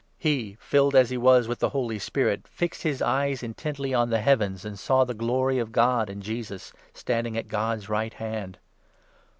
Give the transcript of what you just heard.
He, filled as he was with the Holy Spirit, fixed his eyes in 55 tently on the heavens, and saw the Glory of God and Jesus standing at God's right hand.